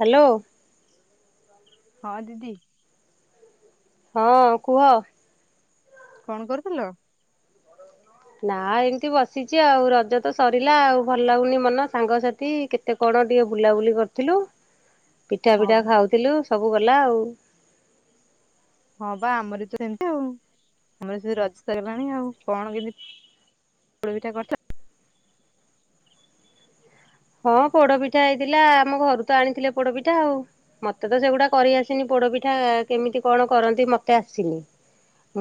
Hello. ହଁ ଦିଦି। ହଁ କୁହ? କଣ କରୁଥିଲ? [inaudible] ନା ଏମିତି ବସିଚି ଆଉ, ରଜ ତ ସରିଲା ଆଉ ଭଲ ଲାଗୁନି ମନ ସାଙ୍ଗସାଥି କେତେ କଣ ଟିକେ ବୁଲାବୁଲି କରିଥିଲୁ। ପିଠା ହଁ ପିଠା ଖାଉଥିଲୁ ସବୁ କ ହେଲା ଆଉ। [inaudible] ହଁ ବା ଆମର ତ ସେମିତି ଆଉ ଆମର ସେ ରଜ ସାରିଗଲାଣି ଆଉ କଣ କେମିତି [inaudible] ପୋଡ ପିଠା କରିଥିଲ। ହଁ ପୋଡପିଠା ହେଇଥିଲା, ଆମ ଘରୁ ତ ଆଣିଥିଲେ ପୋଡପିଠା ଆଉ, ମତେ ତ ସେଗୁଡା କରି ଆସେନି ପୋଡପିଠା କେମିତି କଣ କରନ୍ତି ମତେ ଆସେନି,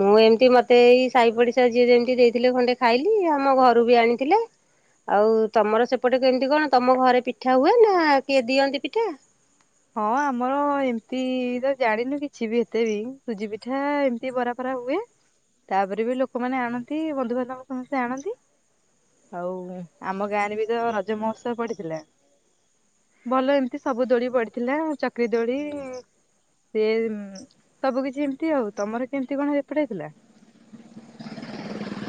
ମୁଁ ଏମିତି ମତେ ଏଇ ସାହି ପଡିଶା ଯିଏ ଯେମିତି ଦେଇଥିଲେ, ଖଣ୍ଡେ ଖାଇଲି ଆମ ଘରୁ ବି ଆଣିଥିଲେ ଆଉ ତମର ସେପଟେ କେମିତି କଣ? ତମ ଘରେ ପିଠା ହୁଏ, ନା କିଏ ଦିଅନ୍ତି ପିଠା? ହଁ ଆମର ଏମିତି ତ ଜାଣିନୁ କିଛି ବି ଏତେ ବି, ସୁଜି ପିଠା ଏମିତି ବରା ଫରା ହୁଏ, ତାପରେ ବି ଲୋକମାନେ ଆଣନ୍ତି, ବନ୍ଧୁବାନ୍ଧବ ସମସ୍ତେ ଆଣନ୍ତି, ଆଉ ଆମ ଗାଁରେ ବି ତ ରଜ ମହୋତ୍ସବ ପଡିଥିଲା, ଭଲ ଏମିତି ସବୁ ଦୋଳି ପଡି ଥିଲା ଚକ୍ରି ଦୋଳି ସେ ସବୁ କିଛି ଏମିତି ଆଉ ତମର କେମିତି କଣ ସେପଟ ହେଇଥିଲା? [inaudible]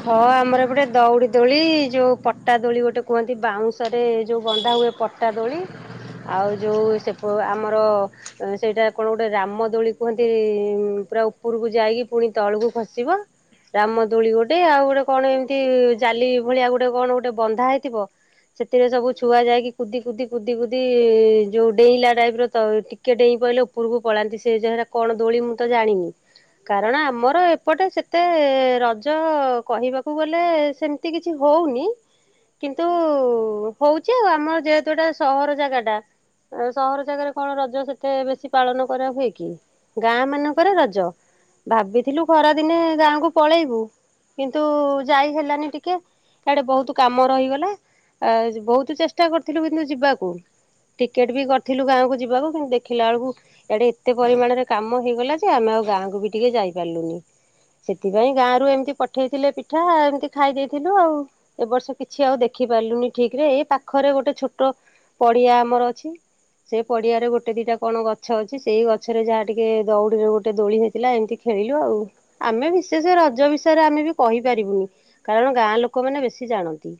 ହଁ ଆମର ଗୋଟେ ଦଉଡି ଦୋଳି, ଯୋଉ ପଟା ଦୋଳି ଗୋଟେ କୁହନ୍ତି, ବାଉଁଶରେ ଯୋଉ ବନ୍ଧା ହୁଏ ପଟା ଦୋଳି, ଆଉ ଯୋଉ ସେ ଆମର ସେଇଟା କଣ ଗୋଟେ ରାମ ଦୋଳି କୁହନ୍ତି, ପୁରା ଉପରକୁ ଯାଇକି ପୁଣି ତଳକୁ ଖସିବ ରାମଦୋଳି ଗୋ ଗୋଟେ ଆଉ ଗୋଟେ କଣ ଏମିତି ଜାଲି ଭଳିଆ କଣ ଗୋଟେ ବନ୍ଧା ହେଇଥିବ, ସେଥିରେ ସବୁ ଛୁଆ ଯାଇକି କୁଦି କୁଦି କୁଦି କୁଦି ଯୋଉ ଡେଇଁଲା ଟାଇପର ତ ଟିକେ ଡେଇଁ ପଇଲେ ଉପରକୁ ପଳାନ୍ତି ସେ ଯହେରା କଣ ଦୋଳି ମୁଁ ତ ଜାଣିନି, କାରଣ ଆମର ଏପଟେ ସେତେ ରଜ ରଜ କହିବାକୁ ଗଲେ ସେମିତି କିଛି ହୋଉନି, କିନ୍ତୁ ହୋଉଚି ଆଉ ଆମର ଯେହେତୁ ଏଟା ସହର ଜାଗାଟା ସହର ଜାଗାରେ କଣ ରଜ ସେତେ ବେଶୀ ପାଳନ କରା ହୁଏ କି, ଗାଁ ମାନଙ୍କରେ ରଜ ଭାବିଥିଲୁ ଖରାଦିନେ ଗାଁକୁ ପଳେଇବୁ। କିନ୍ତୁ ଯାଇ ହେଲାନି ଟିକେ ଇଆଡେ ବୋହୁତ କାମ ରହିଗଲା, ବୋହୁତ ଚେଷ୍ଟା କରିଥିଲୁ କିନ୍ତୁ ଯିବାକୁ ଟିକେଟ ବି କରିଥିଲୁ ଗାଁକୁ ଯିବାକୁ, କିନ୍ତୁ ଦେଖିଲା ବେଳକୁ ଇଆଡେ ଏତେ ପରିମାଣରେ କାମ ହେଇଗଲା ଯେ ଆମେ ଆଉ ଗାଁକୁ ବି ଟିକେ ଯାଇପାରିଲୁନି ସେଥିପାଇଁ ଗାଁରୁ ଏମିତି ପଠେଇଥିଲେ ପିଠା ଏମିତି ଖାଇ ଦେଇଥିଲୁ, ଆଉ ଏ ବର୍ଷ କିଛି ଆଉ ଦେଖି ପାରିଲୁନି ଠିକରେ, ଏଇ ପାଖରେ ଗୋଟେ ଛୋଟ ପଡିଆ ଆମର ଅଛି ସେ ପଡିଆରେ ଗୋଟେ ଦିଟା କଣ ଗଛ ଅଛି ସେଇ ଗଛରେ ଯାହା ଟିକେ ଦଉଡିରେ ଗୋଟେ ଦୋଳି ହେଇଥିଲା, ଏମିତି ଖେଳିଲୁ ଆଉ ଆମେ ବିଶେଷ ରଜ ବିଷ ୟରେ ଆମେ ବି କହିପାରିବୁନି କାରଣ ଗାଁ ଲୋକମାନେ ବେଶୀ ଜାଣନ୍ତି,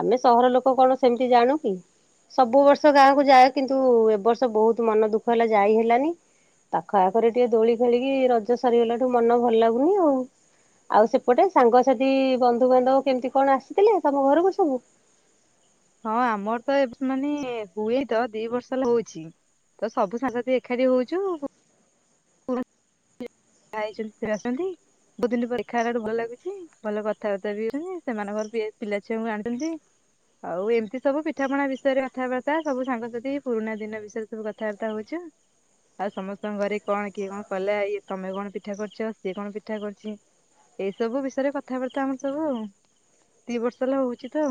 ଆମେ ସହର ଲୋକ କଣ ସେମିତି ଜାଣୁ କି ସବୁ ବର୍ଷ ଗାଁକୁ ଯାଏ କିନ୍ତୁ ଏ ବର୍ଷ ବହୁତ ମନ ଦୁଃଖ ହେଲା ଯାଇ ହେଲାନି, ପାଖ ଆଖରେ ଟିକେ ଦୋଳି ଖେଳିକି ରଜ ସରିଗଲାଠୁ ମନ ଭଲ ଲାଗୁନି ଆଉ। ଆଉ ସେପଟେ ସାଙ୍ଗସାଥି ବନ୍ଧୁବାନ୍ଧବ କେମିତି କଣ ଆସିଥିଲେ ତମ ଘରକୁ ସବୁ? ହଁ ଆମର ତ ଏ ମାନେ ହୁଏ ତ ଦି ବର୍ଷ ହେଲା ହଉଛି ତ ସବୁ ସାଙ୍ଗସଥି ଏକାଠି ହୋଉଚୁ, [unintelligible] ବୋହୁତ ଦିନପରେ ଦେଖା ହେଲାଠୁ ଭଲ ଲାଗୁଚି, ଭଲ କଥାବାର୍ତ୍ତା ବି ହଉଛନ୍ତି ସେମାନଙ୍କର ପିଲା ଛୁଆଙ୍କୁ ଆଣିଛନ୍ତି। ଆଉ ଏମିତି ସବୁ ପିଠାପଣା ବିଷୟରେ କଥାବାର୍ତ୍ତା ସବୁ ସାଙ୍ଗସାଥି ପୁରୁଣା ଦିନ ବିଷୟରେ ସବୁ କଥାବାର୍ତ୍ତା ହୋଉଚୁ, ଆଉ ସମସ୍ତଙ୍କ ଘରେ କଣ କିଏ କଣ କଲା ଇଏ ତମେ କଣ ପିଠା କରିଚ ସିଏ କଣ ପିଠା କରୁଚି, ଏଇ ସବୁ ବିଷୟରେ କଥାବାର୍ତ୍ତା ଆମର ସବୁ ଆଉ ଦି ବର୍ଷ ହେଲା ହୋଉଚି ତ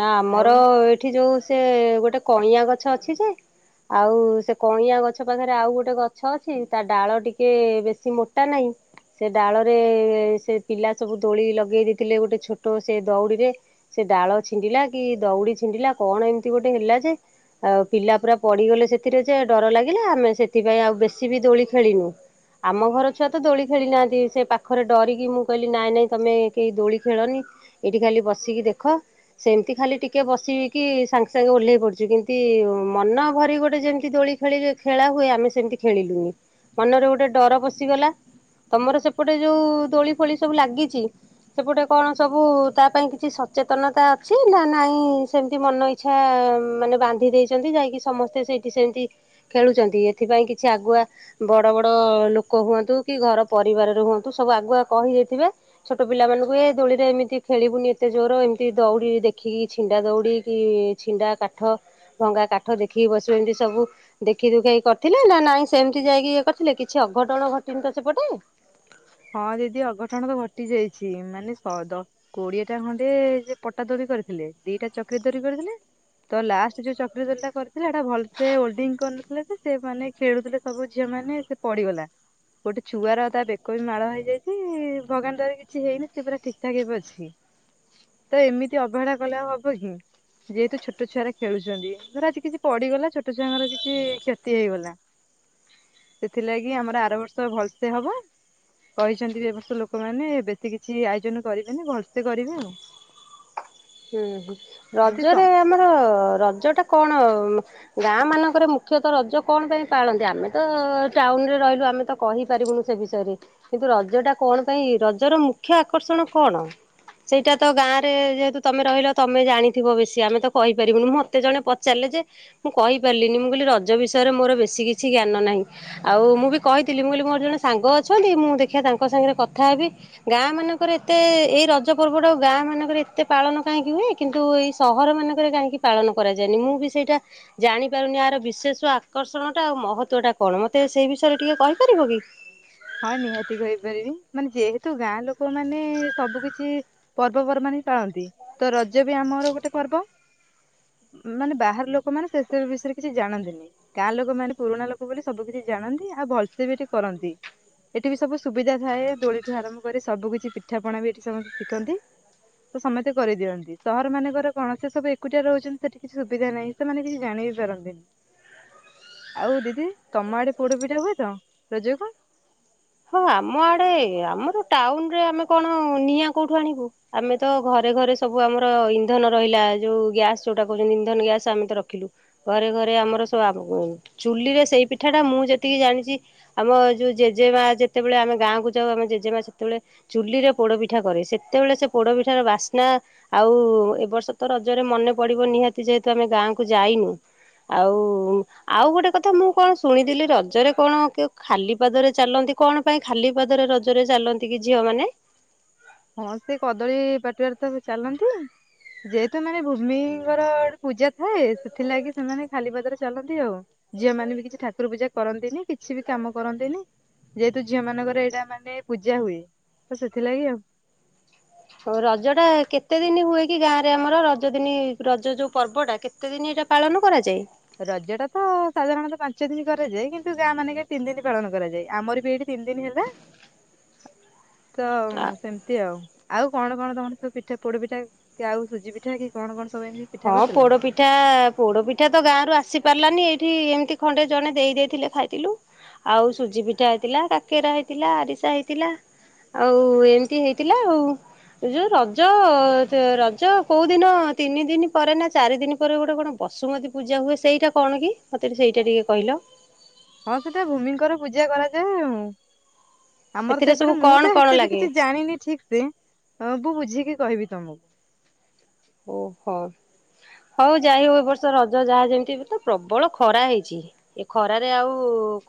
ନା ଆଉ ଆମର ଏଇଠି ଯୋଉ ସେ ଗୋଟେ କଇଁଆଁ ଗଛ ଅଛି, ଯେ ଆଉ ସେ କଇଁଆ ଗଛ ପାଖରେ ଆଉ ଗୋଟେ ଗଛ ଅଛି, ତା ଡାଳ ଟିକେ ବେଶି ମୋଟା ନାହିଁ ସେ ଡାଳରେ ସେ ପିଲା ସବୁ ଦୋଳି ଲଗେଇ ଦେଇଥିଲେ, ଗୋଟେ ଛୋଟ ସେ ଦଉଡ଼ିରେ ସେ ଡାଳ ଛିଣ୍ଡିଲା କି ଦଉଡି ଛିଣ୍ଡିଲା କଣ ଏମିତି ଗୋଟେ ହେଲା ଯେ ଆଉ ପିଲା ପୁରା ପଡିଗଲେ, ସେଥିରେ ଯେ ଡର ଲାଗିଲା ଆମେ ସେଥିପାଇଁ ଆଉ ବେଶୀ ବି ଦୋଳି ଖେଳିନୁ, ଆମ ଘର ଛୁଆ ତ ଦୋଳି ଖେଳି ନାହାନ୍ତି, ସେ ପାଖରେ ଡରିକି ମୁଁ କହିଲି ନାଇଁ ନାଇଁ ତମେ କେହି ଦୋଳି ଖେଳନି ଏଇଠି ଖାଲି ବସିକି ଦେଖ। ସେମିତି ଖାଲି ଟିକେ ବସ କିି ସାଙ୍ଗେ ସାଙ୍ଗେ ଓହ୍ଲେଇ ପଡୁଛି କିନ୍ତ ମନ ଭରି ଗୋଟେ ଯେମିତି ଦୋଳି ଖେଳି ଖେଳା ହୁଏ ଆମେ ସେମିତି ଖେଳିଲୁନି, ମନରେ ଗୋଟେ ଡର ପଶିଗଲା ତମର ସେପଟେ ଯୋଉ ଦୋଳି ଫୋଳି ସବୁ ଲାଗିଛି, ସେପଟେ କଣ ସବୁ ତା ପାଇଁ କିଛି ସଚେତନତା ଅଛି ସେ ନା ନାଇଁ ସେମିତି ମନ ଇଚ୍ଛା ମାନେ ବାନ୍ଧି ଦେଇଛନ୍ତି, ଯାଇକି ସମସ୍ତେ ସେଇଠି ସେମିତି ଖେଳୁଛନ୍ତି, ଏଥିପାଇଁ କିଛି ଆଗୁଆ ବଡ଼ ବଡ଼ ଲୋକ ହୁଅନ୍ତୁ କି ଘର ପରିବାରରେ ହୁଅନ୍ତୁ ସବୁ ଆଗୁଆ କହିଦେଇଥିବେ ଛୋଟ ପିଲାମାନଙ୍କୁ, ଏ ଦୋଳିରେ ଏମିତି ଖେଳିବୁନି ଏତେ ଜୋର ଏମିତି ଦୌଡ଼ି ଦେଖିକି ଛିଣ୍ଡା ଦୌଡିିକି ଛିଣ୍ଡା କାଠ ଭଙ୍ଗା କାଠ ଦେଖିକି ବସିବେ ଏମିତି ସବୁ ଦେଖି ଦୁଖାକି କରିଥିଲେ ନା ନାଇଁ ସେମିତି ଯାଇକି ଇଏ କରିଥିଲେ କିଛି ଅଘଟଣ ଘଟିନି ତ ସେପଟେ? ହଁ ଦିଦି ଅଘଟଣ ତ ଘଟି ଯାଇଚି, ମାନେ ସ ଦଶ କୋଡିଏଟା ଖଣ୍ଡେ ଯେ ପଟା ଦୋରି କରିଥିଲେ, ଦିଟା ଚକ୍ରି ଦୋରି କରିଥିଲେ ତ ଲାଷ୍ଟ ଯୋଉ ଚକ୍ରି ଦୋରି ଟା କରିଥିଲେ ସେଟା ଭଲସେ ଓଲ୍ଡିଙ୍ଗ୍ କରିନଥିଲେ, ତ ସେ ମାନେ ଖେଳୁଥିଲେ ସବୁ ଝିଅ ମାନେ ସେ ପଡିିଗଲା ଗୋଟେ ଛୁଆର ତା ବେ କ ବି ମାଳ ହେଇଯାଇଚି, ଭଗାନଟାରେ କିଛି ହେଇନି ସେ ପୁରା ଠିକ ଠାକ ହେବେ ଅଛି ତ ଏମିତି ଅବହେଳା କଲେ ହବ କି ଯେହେତୁ ଛୋଟ ଛୁଆରେ ଖେଳୁଛନ୍ତି ଧର ଆଜି କିଛି ପଡିଗଲା ଛୋଟ ଛୁଆଙ୍କର କିଛି କ୍ଷତି ହେଇଗଲା ସେଥିଲାଗି ଆମର ଆର ବର୍ଷ ଭଲସେ ହବ। କହିଛନ୍ତି ଏବର୍ଷ ଲୋକମାନେ ବେଶୀ କିଛି ଆୟୋଜନ କରିବେନି ଭଲସେ କରିବେ ଆଉ। ହୁଁ ହୁଁ ଦିଦି ତ ରଜରେ ଆମର ରଜ ଟା କଣ? ଗାଁ ମାନଙ୍କରେ ମୁଖ୍ୟତଃ ରଜ କଣ ପାଇଁ ପାଳନ୍ତି, ଆମେ ତ ଟାଉନରେ ରହିଲୁ ଆମେ ତ କହିପାରିବୁନୁ ସେ ବିଷୟରେ କିନ୍ତୁ ରଜ ଟା କଣ ପାଇଁ ରଜର ମୁଖ୍ୟ ଆକର୍ଷଣ କଣ? ସେଇଟା ତ ଗାଁରେ ଯେହେତୁ ତମେ ରହିଲ ତମେ ଜାଣିଥିବ ବେଶି ଆମେ ତ କହିପାରିବୁନି ମୁଁ ଏତେ ଜଣେ ପଚାରିଲେ ଯେ ମୁଁ କହିପାରିଲିନି ମୁଁ କହିଲି ରଜ ବିଷୟରେ ମୋର ବେଶୀ କିଛି ଜ୍ଞାନ ନାହିଁ ଆଉ ମୁଁ ବି କହିଥିଲି ମୁଁ କହିଲି ମୋର ଜଣେ ସାଙ୍ଗ ଅଛନ୍ତି ମୁଁ ଦେଖିବା ତାଙ୍କ ସାଙ୍ଗରେ କଥା ହେବି ଗାଁ ମାନଙ୍କର ଏତେ ଏଇ ରଜ ପର୍ବଟା ଆଉ ଗାଁ ମାନଙ୍କର ଏତେ ପାଳନ କାହିଁକି ହୁଏ କିନ୍ତୁ ଏଇ ସହର ମାନଙ୍କରେ କାହିଁକି ପାଳନ କରାଯାଏନି ମୁଁ ବି ସେଇଟା ଜାଣିପାରୁନି ଆର ବିଶେଷ ଆକର୍ଷଣ ଟା ଆଉ ମହତ୍ୱ ଟା କଣ ମତେ ସେଇ ବିଷୟରେ ଟିକେ କହିପାରିବ କି? ତୁ ଗାଁ ଲୋକ ମାନେ ସବୁ କିଛି ପର୍ବପର୍ବାଣ ପାଳନ୍ତି ତ ରଜ ବି ଆମର ଗୋଟେ ପର୍ବ ମାନେ ବାହାର ଲୋକ ମାନେ ସେସବୁ ବିଷୟରେ କିଛି ଜାଣନ୍ତିନି ଗାଁ ଲୋକ ମାନେ ପୁରୁଣା ଲୋକ ବୋଲି ସବୁ କିିଛି ଜାଣନ୍ତି ଆଉ ଭଲସେ ବି ଟିକେ କରନ୍ତି। ଏଠି ବି ସବୁ ସୁବିଧା ଥାଏ ଦୋଳିଠୁ ଆରମ୍ଭ କରି ସବୁ କିଛି ପିଠା ପଣା ବି ଏଠି ସମସ୍ତେ ଶିଖନ୍ତି ତ ସମସ୍ତେ କରିଦିଅନ୍ତି ସହର ମାନଙ୍କର କୌଣସି ସବୁ ଏକୁଟିଆ ରହୁଛନ୍ତି ସେଠି କିଛି ସୁବିଧା ନାହିଁ ସେମାନେ କିଛି ଜାଣି ବି ପାରନ୍ତିନି ଆଉ ଦିଦି ତମ ଆଡେ ପୋଡ ପିଠା ହୁଏ ତ ରଜକୁ? ହଁ ଆମ ଆଡେ ଆମର ଟାଉନରେ ଆମେ କଣ ନିଆଁ କୋଉଠୁ ଆଣିବୁ ଆମେ ତ ଘରେ ଘରେ ସବୁ ଆମର ଇନ୍ଧନ ରହିଲା ଯୋଉ ଗ୍ୟାସ ଯୋଉଟା କହୁଛନ୍ତି ଇନ୍ଧନ ଗ୍ୟାସ ଆମେ ତ ରଖିଲୁ ଘରେ ଘରେ ଆମର ଚୁଲିରେ ସେଇ ପିଠା ଟା ମୁଁ ଯେତିକି ଜାଣିଛି ଆମ ଯୋଉ ଜେଜେମା ଯେତେବେଳେ ଆମେ ଗାଁକୁ ଯାଉ ଆମେ ଜେଜେମା ସେତେବେଳେ ଚୁଲିରେ ପୋଡ ପିଠା କରେ ସେତେବେଳେ ସେ ପୋଡ ପିଠାର ବାସ୍ନା ଆଉ ଏ ବର୍ଷ ତ ରଜରେ ମନେ ପଡିବ ନିହାତି ଯେହେତୁ ଆମେ ଗାଁକୁ ଯାଇନୁ ଆଉ ଆଉ ଗୋଟେ କଥା ମୁଁ କଣ ଶୁଣିଥିଲି ରଜରେ କଣ ଖାଲି ପାଦରେ ଚାଲନ୍ତି। କଣ ପାଇଁ ଖାଲି ପଦରେ ରଜରେ ଚାଲନ୍ତି କି ଝିଅ ମାନେ? ହଁ ସେ କଦଳୀ ପାଟିବାରେ ତ ଚାଲନ୍ତି ଯେହେତୁ ମାନେ ଭୂମିଙ୍କର ଗୋଟେ ପୂଜା ଥାଏ ସେଥିଲାଗି ସେମାନେ ଖାଲିପଦରେ ଚାଲନ୍ତି ଆଉ ଝିଅ ମାନେ ବି କିଛି ଠାକୁର ପୂଜା କରନ୍ତିନି କିଛି ବି କାମ କରନ୍ତିନି ଯେହେତୁ ଝିଅ ମାନଙ୍କର ଏଇଟା ମାନେ ପୂଜା ହୁଏ ତ ସେଥିଲାଗି ଆଉ। ହଉ ରଜ ଟା କେତେ ଦିନ ହୁଏ କି ଗାଁ ରେ ଆମର ରଜ ଦିନ ରଜ ଯୋଉ ପର୍ବଟା କେତେ ଦିନ ଏଇଟା ପାଳନ କରାଯାଏ। ରଜ ଟା ତ ସାଧାରଣତଃ ପାଞ୍ଚ ଦିନ କରାଯାଏ କିନ୍ତୁ ଗାଁ ମାନେକ ତିନି ଦିନ ପାଳନ କରାଯାଏ ଆମର ବି ଏଇଠି ତିନି ଦିନ ହେଲା। ତ ସେମିତି ଆଉ। ଆଉ କଣ କଣ କଣ ସବ ପିଠା ପୋଡ ପିଠା କି ଆଉ ସୁଜି ପିଠା କି କଣ କଣ? ସବୁ ଏମିତି ପିଠା ହଁ କରିଥିଲ? ପୋଡ ପିଠା ପୋଡ ପିଠା ତ ଗାଁରୁ ଆସ। ଆସିପାରିଲାନି ଏଇଠି ଏମିତି ଖଣ୍ଡେ ଜଣେ ଦେଇ ଦେଇେଇଥିଲେ ଖାଇଥିଲୁ ଆଉ ସୁଜି ପିଠା ହେଇଥିଲା କାକେରା ହେଇଥିଲା ଆରିସା ହେଇଥିଲା ଆଉ ଏମିତି ହେଇଥିଲା ଆଉ ଏ ଯେଉଁ ରଜ ରଜ କେଉଁ ଦିନ ତିନି ଦିନ। ପରେରେ ନା ଚାରି ଦିନ ପରେ ଗୋଟେ କଣ ବସୁମତୀ ପୂଜା ହୁଏ ସେଇଟା କଣ କି ମୋତେ ଟ ସେଇଟା ଟିକେ କହିଲ ହଁ ସେଟା ଭୂମିଙ୍କର ପୂଜା କରାଯାଏ ଆଉ। ଆମର ସେଥିରେ ତ ସବୁ ଏପଟେ ମୁଁ କଣ ତ କଣ ଏତେ ବି ଲାଗେ କିଛି ଜାଣିନି ଠିକ ସେ ମୁୁ ବୁଝିକି କହିବି ତମକୁ। ଓହୋ ହଉ ଯାଇ ହଉ ଏ ବର୍ଷ ରଜ ଯାହା ଯେମିତି ତ ପ୍ରବଳ ଖରା ହେଇଛି ଏ ଖରାରେ ଆଉ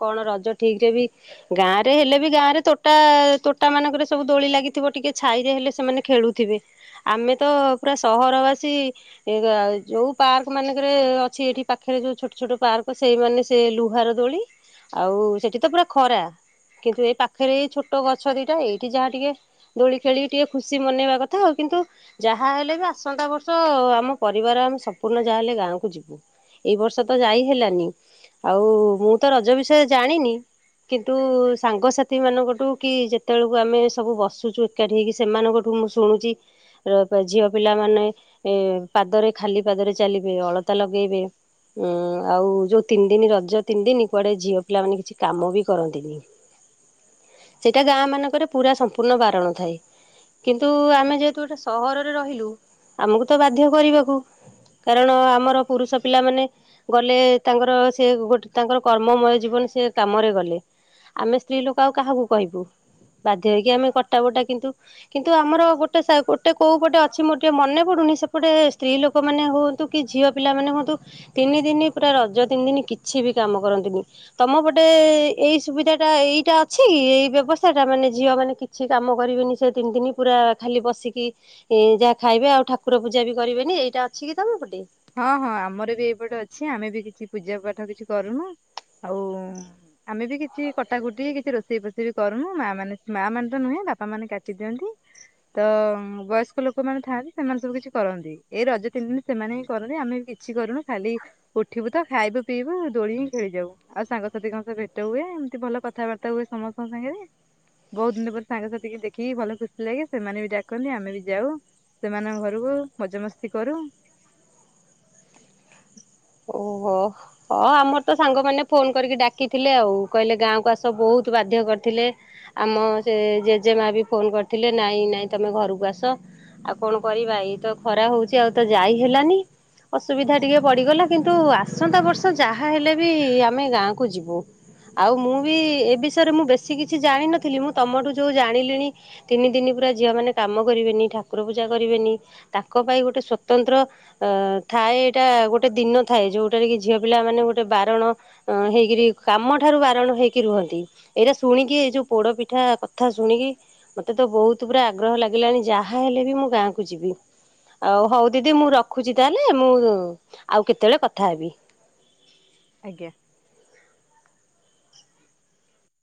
କଣ ରଜ ଠିକ ରେ ବି ଗାଁ ରେ ହେଲେ ବି ଗାଁ ରେ ତୋଟା ତୋଟା ମାନଙ୍କରେ ସବୁ ଦୋଳି ଲାଗିଥିବ ଟିକେ ଛାଇରେ ହେଲେ ସେମାନେ ଖେଳୁଥିବେ ଆମେ ତ ପୁରା ସହରବାସୀ ଯଉ ପାର୍କ ମାନଙ୍କରେ ଅଛି ଏଠି ପାଖରେ ଯେଉ ଛୋଟ ଛୋଟ ପାର୍କ ସେଇମାନେ ସେ ଲୁହାର ଦୋଳି ଆଉ ସେଇଠି ତ ପୁରା ଖରା କିନ୍ତୁ ଏ ପାଖରେ ଏଇ ଛୋଟ ଗଛ ଦୁଟା ଏଇଠି ଯାହା ଟିକେ ଦୋଳି ଖେଳିକି ଟିକେ ଖୁସି ମନେଇବା କଥା ଆଉ କିନ୍ତୁ ଯାହା ହେଲେ ବି ଆସନ୍ତା ବର୍ଷ ଆମ ପରିବାର ଆମେ ସମ୍ପୂର୍ଣ ଯାହାହଲେ ଗାଁକୁ ଯିବୁ ଏଇ ବର୍ଷ ତ ଯାଇ ହେଲାନି ଆଉ ମୁଁ ତ ରଜ ବିଷୟ ଜାଣିନି କିନ୍ତୁ ସାଙ୍ଗସାଥି ମାନଙ୍କଠୁ କି ଯେତେବେଳକୁ ଆମେ ସବୁ ବସୁଛୁ ଏକାଠି ହେଇକି ସେମାନଙ୍କଠୁ ମୁଁ ଶୁଣୁଛି ଝିଅ ପିଲାମାନୋନ ଏ ପାଦରେ ଖାଲି ପାଦରେ ଚାଲିବେ ଅଳତା ଲଗେଇବେ ଉଁ ଆଉ ଯୋଉ ତିନି ଦିନ ରଜ ତିନି ଦିନ କୁଆଡେ ଝିଅ ପିଲାମାନୋନ କିଛି କାମ ବି କରନ୍ତିନି ସେଇଟା ଗାଁ ମାନଙ୍କରେ ପୁରା ସମ୍ପୂର୍ଣ୍ଣ ବାରଣ ଥାଏ କିନ୍ତୁ ଆମେ ଯେହେତୁ ଗୋଟେ ସହରରେ ରହିଲୁ। ଆମକୁ ତ ବାଧ୍ୟ କରିବାକୁ କାରଣ ଆମର ପୁରୁଷ ପିଲା ମାନ ଗଲେ ତାଙ୍କର ସେ ଗୋଟେ ତାଙ୍କର କର୍ମମୟ ଜୀବନ ସେ କାମରେ ଗଲେ ଆମେ ସ୍ତ୍ରୀ ଲୋକ ଆଉ କାହାକୁ କହିବୁ ବାଧ୍ୟ ହେଇକି ଆମେ କଟା ବଟା କିନ୍ତୁ କିନ୍ତୁ ଆମର ଗୋଟେ ଗୋଟେ କୋଉ ପଟେ ଅଛି ମୋ ଟିକେ ମନେ ପଡୁନି ସେପଟେ ସ୍ତ୍ରୀ ଲୋକମାନୋନେ ହୁଅନ୍ତୁ କି ଝିଅ ପିଲା ମାନେ ହୁଅନ୍ତୁ ତିନି ଦିନି ପୁରା ରଜ ତିନି ଦିନ କିଛି ବି କାମ କରନ୍ତିୁନି ତମ ପଟେ ଏଇ ସୁବିଧା ଟା ଏଇଟା ଅଛି ଏଇ ବ୍ୟବସ୍ଥା ଟା ମାନେ ଝିଅ ମାନେ କିଛି କାମ କରିବେନି ସେ ତିନି ଦିନ ପୁରା ଖାଲି ବସିକି ଏ ଯା ଖାଇବେ ଆଉ ଠାକୁର ପୂଜା ବି କରିବେନି ଏଇଟା ଅଛି କି ତମ ପଟେ? ହଁ ହଁ ଆମର ବି ଏଇପଟେ ଅଛି ଆମେ ବି କିଛି ପୂଜା ପାଠ କିଛି କରୁନୁ ଆଉ ଆମେ ବି କିଛି କଟାକୁଟି କିଛି ରୋଷେଇ ଫୋଷେଇ ବି କରୁନୁ ମା ମାନେ ମା ମାନେ ତ ନୁହେଁ ବାପା ମାନେ କାଟିଦିଅନ୍ତି ତ ବୟସ୍କ ଲୋକମାନୋନେ ଥାଆନ୍ତି ସେମାନେ ସବୁ କିଛି କରନ୍ତି ଏଇ ରଜ ତିନି ଦିନ ସେମାନେ କରନି ଆମେ ବି କିଛି କରୁନୁ ଖାଲି ଉଠିବୁ ତ ଖାଇବୁ ପିଇବୁ ଦୋଳି ହି ଖେଳି ଯାଉ ଆଉ ସାଙ୍ଗସାଥିୀଙ୍କ ସହ ଭେଟ ହୁଏ ଏମିତି ଭଲ କଥାବାର୍ତ୍ତା ହୁଏ ସମସ୍ତଙ୍କ ସାଙ୍ଗରେ ବହୁତ ଦିନ ପରେ ସାଙ୍ଗସାଥିୀ ଦେଖିକି ଭଲ ଖୁସି ଲାଗେ ସେମାନେ ବି ଡାକନ୍ତି ଆମେ ବି ଯାଉ ସେମାନଙ୍କ ଘରକୁ ମଜା ମସ୍ତି କରୁ। ଓହୋ ହ ଆମର ତ ସାଙ୍ଗମାନେ ଫୋନ କରିକି ଡାକିଥିଲେ ଆଉ କହିଲେ ଗାଁକୁ ଆସ ବହୁତ ବାଧ୍ୟ କରିଥିଲେ ଆମ ସେ ଜେଜେମା ବି ଫୋନ କରିଥିଲେ ନାଇଁ ନାଇଁ ତମେ ଘରକୁ ଆସ ଆଉ କଣ କରିବା ଏଇ ତ ଖରା ହଉଛି ଆଉ ତ ଯାଇ ହେଲାନି ଅସୁବିଧା ଟିକେ ପଡ଼ିଗଲା। କିନ୍ତୁ ଆସନ୍ତା ବର୍ଷ ଯାହା ହେଲେ ବି ଆମେ ଗାଁକୁ ଯିବୁ ଆଉ ମୁଁ ବି ଏ ବିଷୟରେ ମୁଁ ବେଶୀ କିଛି ଜାଣିନଥିଲି ମୁଁ ତମଠୁ ଯୋଉ ଜାଣିଲିଣି ତିନି ଦିନ ପୁରା ଝିଅ ମାନେ କାମ କରିବେନି ଠାକୁର ପୂଜା କରିବେନି ତାଙ୍କ ପାଇଁ ଗୋଟେ ସ୍ଵତନ୍ତ୍ର ଥାଏ ଏଇଟା ଗୋଟେ ଦିନ। ଥାଏ ଯୋଉଟାରେ କି ଝିଅ ପିଲା ମାନେ ଗୋଟେ ବାରଣ ହେଇକରି କାମ ଠାରୁ ବାରଣ ହେଇକି ରୁହନ୍ତି ଏଇଟା ଶୁଣିକି ଏଇ ଯୋଉ ପୋଡ ପିଠା କଥା ଶୁଣିକି ମତେ ତ ବହୁତ ପୁରା ଆଗ୍ରହ ଲାଗିଲାଣି ଯାହାହଲେ ବି ମୁଁ ଗାଁକୁ ଯିବି ଆଉ ହଉ ଦିଦି ମୁଁ ରଖୁଛି ତାହେଲେ ମୁଁ ଆଉ କେତେବେଳେ କଥା ହେବି? ଆଜ୍ଞା